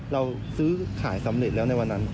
เราซื้อขายสำเร็จแล้วในวันนั้น